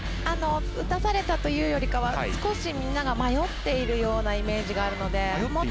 打たされたというよりかは少しみんなが迷っているようなイメージがあるので。